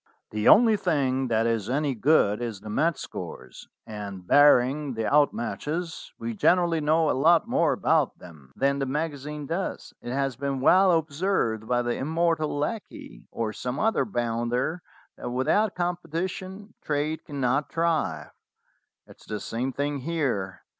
"The only thing that is any good is the match scores; and, barring the out matches, we generally know a lot more about them than the magazine does. It has been well observed by the immortal Lecky, or some other bounder, that without competition trade cannot thrive. It is the same thing here.